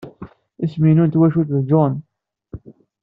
Isem-inu n twacult d Jones.